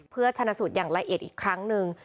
เพื่อชนะสูตรอย่างละเอียดอีกครั้งหนึ่ง